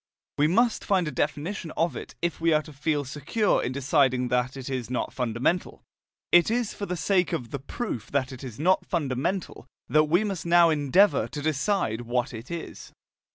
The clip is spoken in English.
We must find a definition of it, if we are to feel secure in deciding that it is not fundamental. It is for the sake of the proof that it is not fundamental that we must now endeavour to decide what it is.